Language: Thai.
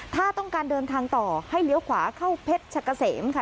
ถ้าต้องการเดินทางต่อให้เลี้ยวขวาเข้าเพชรชะกะเสมค่ะ